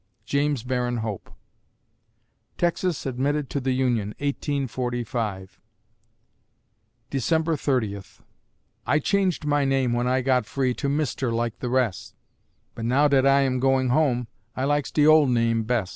JAMES BARRON HOPE Texas admitted to the Union, 1845 December Thirtieth I changed my name when I got free To "Mister" like the res', But now dat I am going Home, I likes de ol' name bes'.